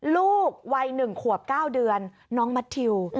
ลูกวัย๑ขวบ๙เดือนน้องแมททิว